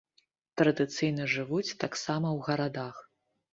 Традыцыйна жывуць таксама ў гарадах.